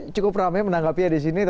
cukup ramai menanggapi ya di sini